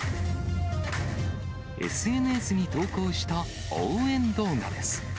ＳＮＳに投稿した応援動画です。